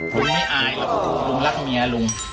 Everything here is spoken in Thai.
ผมไม่อายหรอกลุงรักเมียลุง